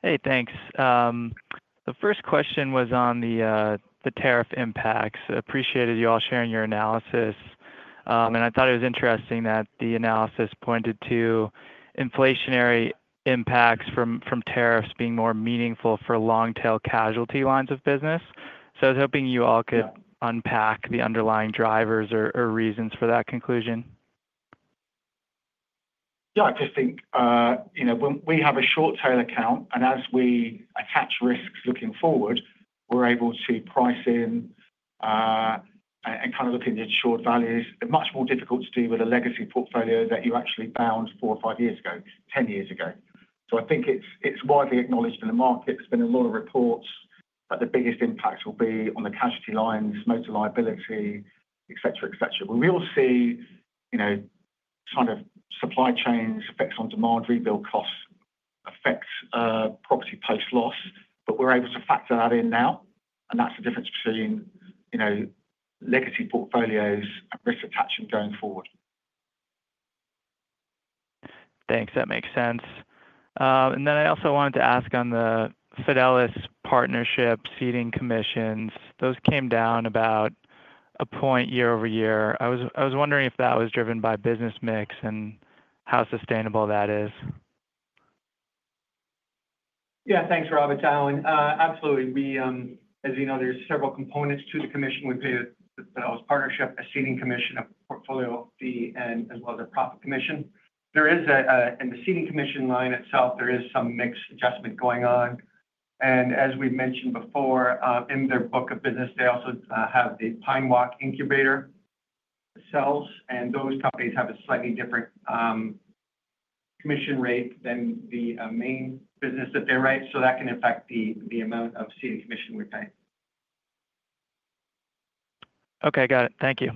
Hey, thanks. The first question was on the tariff impacts. I appreciated you all sharing your analysis. I thought it was interesting that the analysis pointed to inflationary impacts from tariffs being more meaningful for long-tail casualty lines of business. I was hoping you all could unpack the underlying drivers or reasons for that conclusion. Yeah, I just think when we have a short-tail account, and as we attach risks looking forward, we're able to price in and kind of look into insured values. They're much more difficult to do with a legacy portfolio that you actually bound 4-5 years ago, 10 years ago. I think it's widely acknowledged in the market. There's been a lot of reports that the biggest impacts will be on the casualty lines, motor liability, etc. We will see kind of supply chains, effects on demand, rebuild costs, effects of property post-loss that we're able to factor that in now. That's the difference between legacy portfolios and risk attachment going forward. Thanks. That makes sense. I also wanted to ask on the Fidelis Partnership ceding commissions. Those came down about 1 point year-over-year. I was wondering if that was driven by business mix and how sustainable that is. Yeah, thanks, Rob, it's Allan. Absolutely. As you know, there's several components to the commission. We pay the Fidelis Partnership a ceding commission, a portfolio fee, and as well as a profit commission. The ceding commission line itself, there is some mix adjustment going on. As we mentioned before, in their book of business, they also have the Pine Walk Incubator Cells, and those companies have a slightly different commission rate than the main business that they write. That can affect the amount of ceding commission we pay. Okay. Got it. Thank you.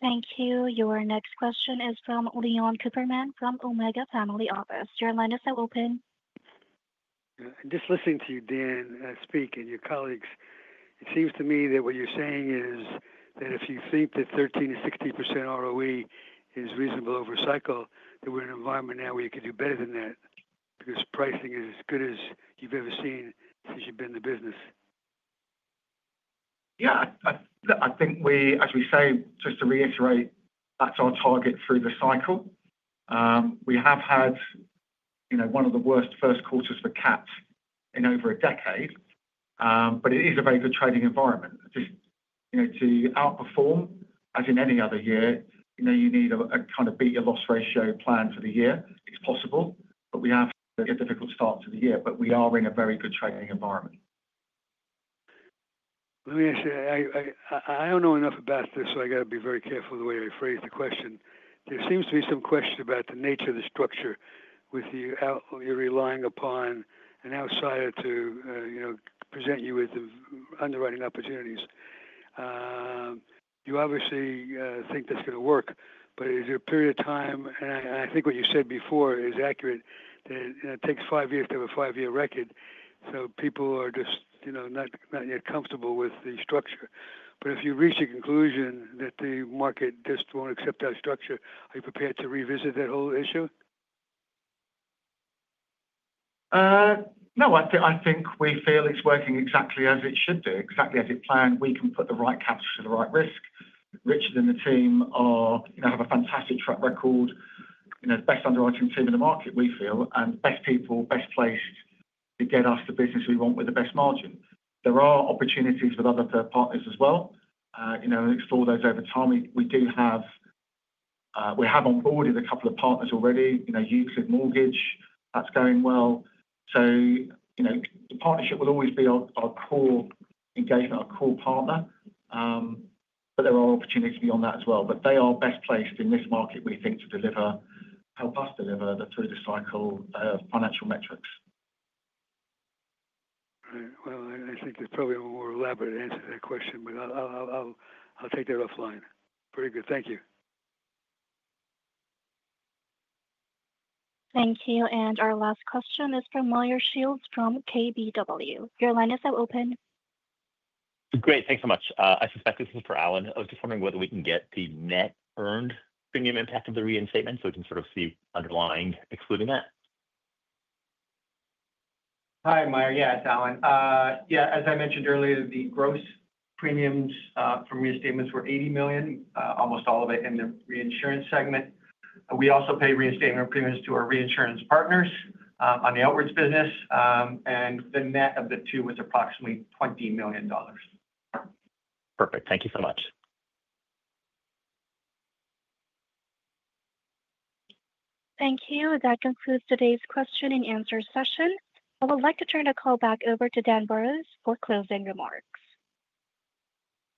Thank you. Your next question is from Leon Cooperman from Omega Family Office. Your line is now open. Just listening to you, Dan, speak and your colleagues, it seems to me that what you're saying is that if you think that 13%-16% ROE is reasonable over a cycle, that we're in an environment now where you could do better than that because pricing is as good as you've ever seen since you've been in the business. Yeah. I think we, as we say, just to reiterate, that's our target through the cycle. We have had one of the worst first quarters for cat in over a decade, but it is a very good trading environment. Just to outperform, as in any other year, you need a kind of beat-your-loss ratio plan for the year. It's possible, but we have a difficult start to the year. We are in a very good trading environment. Let me ask you, I do not know enough about this, so I got to be very careful the way I phrase the question. There seems to be some question about the nature of the structure with you relying upon an outsider to present you with underwriting opportunities. You obviously think that is going to work, but is there a period of time? I think what you said before is accurate. It takes five years to have a five-year record. People are just not yet comfortable with the structure. If you reach a conclusion that the market just will not accept that structure, are you prepared to revisit that whole issue? No. I think we feel it's working exactly as it should do, exactly as it planned. We can put the right caps to the right risk. Richard and the team have a fantastic track record, the best underwriting team in the market, we feel, and best people, best placed to get us the business we want with the best margin. There are opportunities with other third partners as well. We can explore those over time. We have onboarded a couple of partners already, Euclid Mortgage. That's going well. The partnership will always be our core engagement, our core partner. There are opportunities beyond that as well. They are best placed in this market, we think, to deliver, help us deliver through the cycle of financial metrics. I think there's probably a more elaborate answer to that question, but I'll take that offline. Very good. Thank you. Thank you. Our last question is from Meyer Shields from KBW. Your line is now open. Great. Thanks so much. I suspect this is for Allan. I was just wondering whether we can get the net earned premium impact of the reinstatement so we can sort of see underlying excluding that. Hi, Meyer. Yeah, it's Allan. Yeah, as I mentioned earlier, the gross premiums from reinstatements were $80 million, almost all of it in the reinsurance segment. We also pay reinstatement premiums to our reinsurance partners on the outwards business. The net of the two was approximately $20 million. Perfect. Thank you so much. Thank you. That concludes today's question-and-answer session. I would like to turn the call back over to Dan Burrows for closing remarks.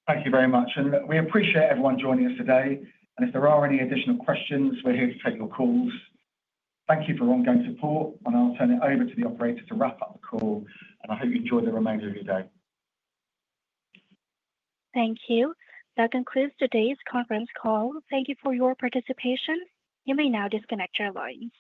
Thank you very much. We appreciate everyone joining us today. If there are any additional questions, we're here to take your calls. Thank you for your ongoing support. I'll turn it over to the operator to wrap up the call. I hope you enjoy the remainder of your day. Thank you. That concludes today's conference call. Thank you for your participation. You may now disconnect your lines.